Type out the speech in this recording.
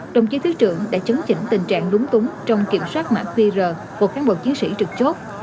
trong khi thứ trưởng đã chấn chỉnh tình trạng đúng túng trong kiểm soát mạng vr của kháng bộ chiến sĩ trực chốt